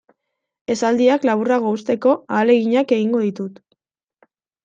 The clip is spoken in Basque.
Esaldiak laburrago uzteko ahaleginak egingo ditut.